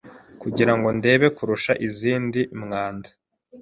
Kugira ngo ndebe kurusha izindi mwanda